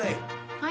はい。